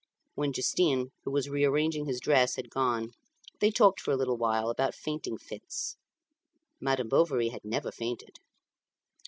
When Justin, who was rearranging his dress, had gone, they talked for a little while about fainting fits. Madame Bovary had never fainted.